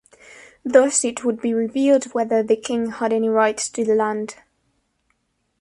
Thus it would be revealed whether the king had any rights to the land.